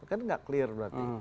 kan nggak clear berarti